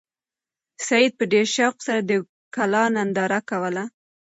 سعید په ډېر شوق سره د کلا ننداره کوله.